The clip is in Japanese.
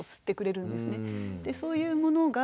そういうものが。